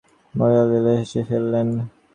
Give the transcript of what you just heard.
মারালা লি হেসে ফেললেন।